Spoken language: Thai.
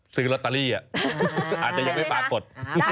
ซื้อลอตเตอรี่อาจจะยังไม่ปรากฏ